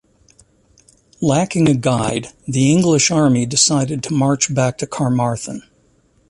Lacking a guide, the English army decided to march back to Carmarthen.